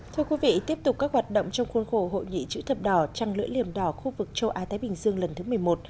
thưa quý vị tiếp tục các hoạt động trong khuôn khổ hội nghị chữ thập đỏ trăng lưỡi liềm đỏ khu vực châu á thái bình dương lần thứ một mươi một